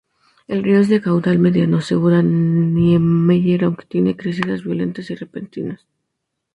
El río es de caudal mediano, asegura Niemeyer, aunque tiene crecidas violentas y repentinas.